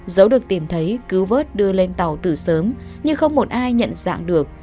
giấu được tìm thấy cứu vớt đưa lên tàu từ sớm nhưng không một ai nhận dạng được